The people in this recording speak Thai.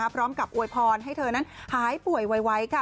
พร้อมกับโวยพรให้เธอนั้นหายป่วยไวค่ะ